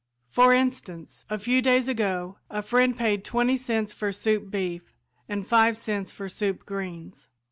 For instance, a few days ago a friend paid twenty cents for soup beef, and five cents for "soup greens."